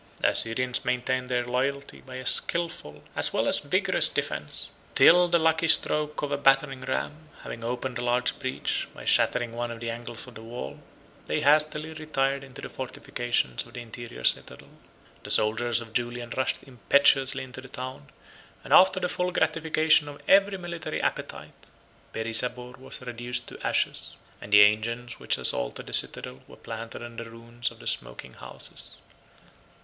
The Assyrians maintained their loyalty by a skilful, as well as vigorous, defence; till the lucky stroke of a battering ram, having opened a large breach, by shattering one of the angles of the wall, they hastily retired into the fortifications of the interior citadel. The soldiers of Julian rushed impetuously into the town, and after the full gratification of every military appetite, Perisabor was reduced to ashes; and the engines which assaulted the citadel were planted on the ruins of the smoking houses.